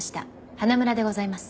花村でございます。